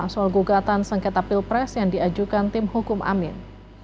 soal gugatan sengketa pilpres yang diajukan tim hukum amin